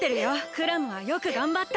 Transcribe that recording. クラムはよくがんばった。